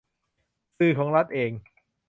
สื่อของรัฐเอง